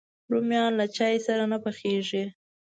رومیان له چای سره نه پخېږي